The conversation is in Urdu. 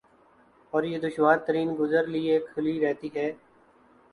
اور یہ دشوار ترین گزر لئے کھلی رہتی ہے ۔